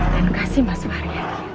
dan kasih mas fahri